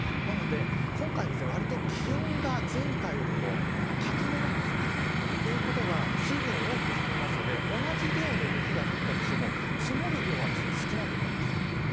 なので、今回わりと気温が前回よりも高めなんですよね。ということは水分を多く含むので同じ量の雪が降ったとしても積もる量は少ないと思います。